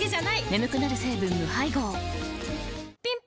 眠くなる成分無配合ぴん